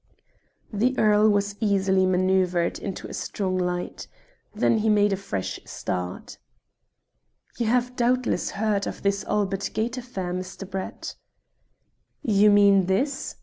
The earl was easily manoeuvred into a strong light. Then he made a fresh start. "You have doubtless heard of this Albert Gate affair, Mr. Brett?" "You mean this?"